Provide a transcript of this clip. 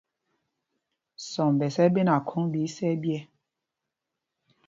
Sɔmbɛs ɛ́ ɛ́ ɓenaa khôŋ ɓɛ isɛ̄ɛ̄ ɓyɛ̄.